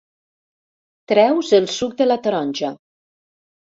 Treus el suc de la taronja.